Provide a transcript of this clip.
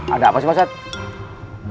ada apa sih ustadz